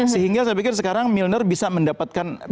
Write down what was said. sehingga saya pikir sekarang milner bisa mendapatkan